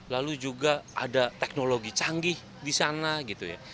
lalu juga ada teknologi canggih di sana gitu ya